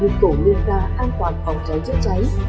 được tổ liên ra an toàn phòng cháy cháy cháy